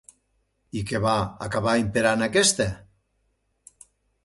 I què va acabar imperant aquesta?